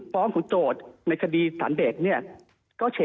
ฟ้องของโจทย์ในสำเร็จ